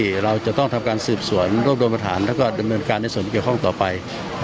นี่เราจะต้องทำการสืบสวนโรคโดมฐานและกระเบิดเงินการในส่วนเกี่ยวข้องต่อไป